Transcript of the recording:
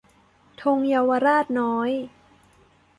ธงเยาวราชน้อย